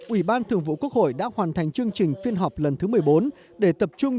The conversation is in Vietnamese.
ủy ban thường vụ quốc hội đã hoàn thành chương trình phiên họp lần thứ một mươi bốn để tập trung